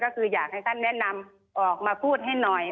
ก็คืออยากให้ท่านแนะนำออกมาพูดให้หน่อย